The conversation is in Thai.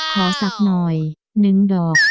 ขอศักดิ์หน่อย๑ดอก